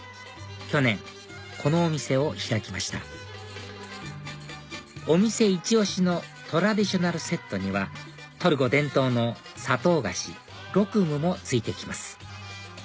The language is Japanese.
去年このお店を開きましたお店イチ押しのトラディショナルセットにはトルコ伝統の砂糖菓子ロクムも付いてきます